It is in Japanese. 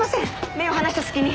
目を離した隙に。